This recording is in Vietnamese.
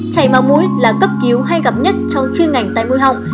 chảy máu mũi là cấp cứu hay gặp nhất trong chuyên ngành tai mũi họng